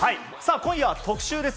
今夜は特集です。